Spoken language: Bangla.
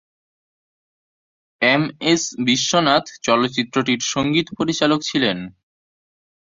এম এস বিশ্বনাথ চলচ্চিত্রটির সঙ্গীত পরিচালক ছিলেন।